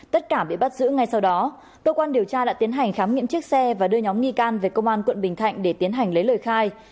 tất cả bị bắt giữ ngay sau đó cơ quan điều tra đã tiến hành khám nghiệm chiếc xe và đưa nhóm nghi can về công an quận bình thạnh để tiến hành lấy lời khai